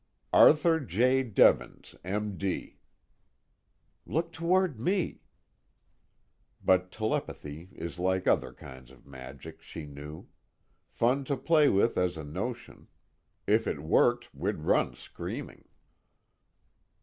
_ "Arthur J. Devens, M.D." Look toward me! But telepathy is like other kinds of magic, she knew: fun to play with as a notion; if it worked, we'd run screaming.